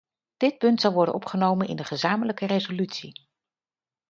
Dit punt zal worden opgenomen in de gezamenlijke resolutie.